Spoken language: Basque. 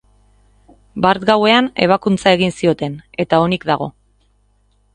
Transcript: Bart gauean ebakuntza egin zioten, eta onik dago.